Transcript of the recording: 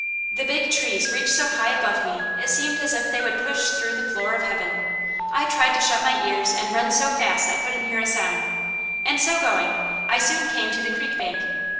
The big trees reached so high above me it seemed as if they would push through the floor of Heaven. I tried to shut my ears and run so fast I couldn't hear a sound, and so going, I soon came to the creek bank.